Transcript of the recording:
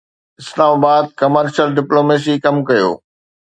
اسلام آباد commercial diplomacy ڪم ڪيو